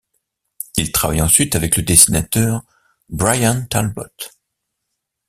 Il travaille ensuite avec le dessinateur Bryan Talbot.